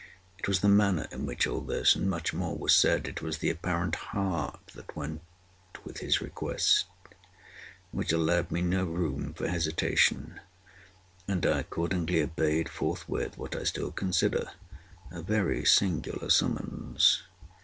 It was the manner in which all this, and much more, was said—it was the apparent heart that went with his request—which allowed me no room for hesitation; and I accordingly obeyed forthwith what I still considered a very singular summons.